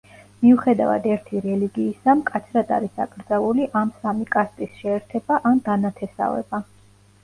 მიუხედავად ერთი რელიგიისა მკაცრად არის აკრძალული ამ სამი კასტის შეერთება ან დანათესავება.